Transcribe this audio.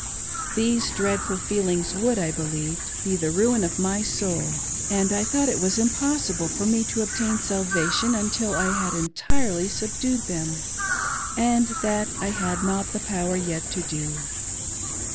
These dreadful feelings would, I believed, be the ruin of my soul, and I thought it was impossible for me to obtain salvation until I had entirely subdued them, and that I had not power yet to do.